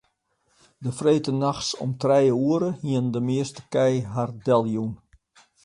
De freedtenachts om trije oere hiene de measte kij har deljûn.